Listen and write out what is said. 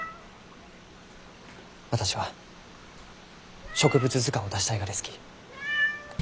私は植物図鑑を出したいがですき。